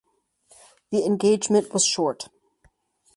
The engagement was short.